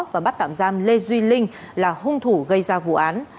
và bắt tạm giam lê duy linh là hung thủ gây ra vụ án